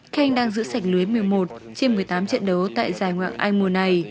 kane đang giữ sạch lưới một mươi một trên một mươi tám trận đấu tại giải ngoại anh mùa này